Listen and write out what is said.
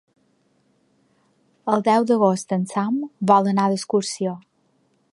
El deu d'agost en Sam vol anar d'excursió.